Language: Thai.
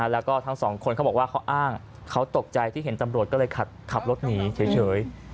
แล้วก็ทั้งสองคนเขาบอกว่าเขาอ้างเขาตกใจที่เห็นตำรวจก็เลยขับรถหนีเฉย